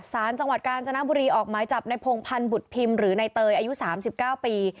สารจังหวัดกาญจนบุรีออกหมายจับในพงพันธ์บุตรพิมพ์หรือในเตยอายุ๓๙ปี